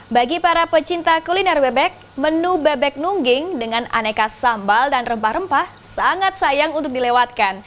bagi para pecinta kuliner bebek menu bebek nungging dengan aneka sambal dan rempah rempah sangat sayang untuk dilewatkan